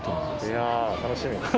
いや楽しみです。